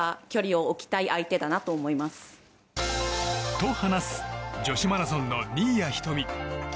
と、話す女子マラソンの新谷仁美。